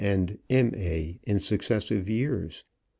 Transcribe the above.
and M.A. in successive years.